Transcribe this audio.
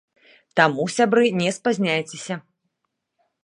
Таму, сябры, не спазняйцеся!